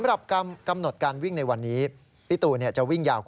ธรรมาดาแต่ก่อนที่ก็มี๔สเซตใช่มั๊ย